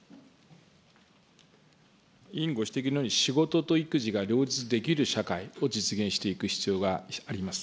委員ご指摘のように、仕事と育児が両立できる社会を実現していく必要があります。